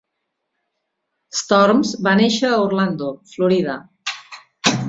Storms va néixer a Orlando, Florida.